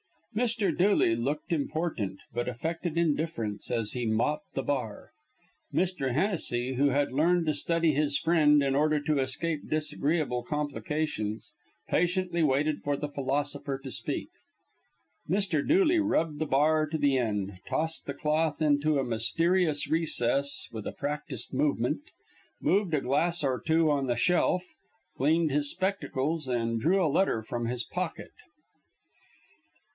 Mr. Dooley looked important, but affected indifference, as he mopped the bar. Mr. Hennessy, who had learned to study his friend in order to escape disagreeable complications, patiently waited for the philosopher to speak. Mr. Dooley rubbed the bar to the end, tossed the cloth into a mysterious recess with a practised movement, moved a glass or two on the shelf, cleaned his spectacles, and drew a letter from his pocket.